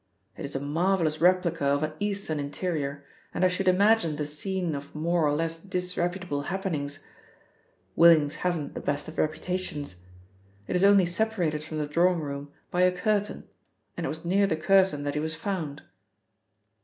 It is a marvellous replica of an Eastern interior, and I should imagine the scene of more or less disreputable happenings Willings hasn't the best of reputations. It is only separated from the drawing room by a curtain, and it was near the curtain that he was found."